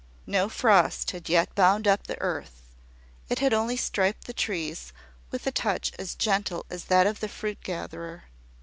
No frost had yet bound up the earth; it had only stripped the trees with a touch as gentle as that of the fruit gatherer.